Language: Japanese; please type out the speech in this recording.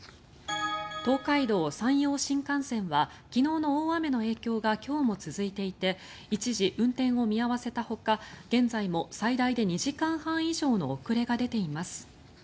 東海道・山陽新幹線は昨日の大雨の影響が今日も続いていて一時、運転を見合わせたほか現在も最大で２時間半以上の遅れが出ています。